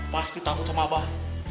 pasti takut sama abah